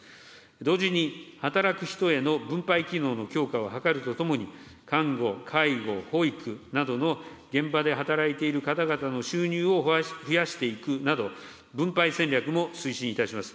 同時に働く人への分配機能の強化を図るとともに、看護、介護、保育などの現場で働いている方々の収入を増やしていくなど、分配戦略も推進いたします。